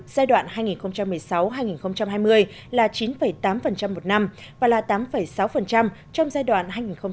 giai đoạn hai nghìn một mươi sáu hai nghìn hai mươi là chín tám một năm và là tám sáu trong giai đoạn hai nghìn một mươi sáu hai nghìn hai mươi